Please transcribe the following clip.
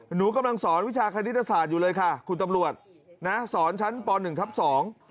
หนูกำลังสอนวิชาคณิตศาสตร์อยู่เลยค่ะคุณตำรวจนะสอนชั้นปหนึ่งทับสอง